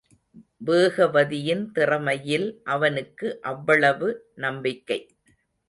வேகவதியின் திறமையில் அவனுக்கு அவ்வளவு நம்பிக்கை.